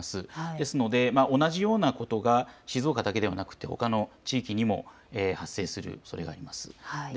ですので同じようなことが静岡だけではなくてほかの地域にも発生するおそれがあります。